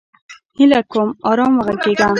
هیله کوم! ارام وغږیږه!